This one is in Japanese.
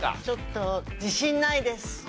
ちょっと自信ないです。